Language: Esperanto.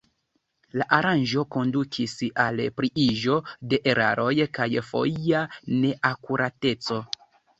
La aranĝo kondukis al pliiĝo de eraroj kaj foja neakurateco.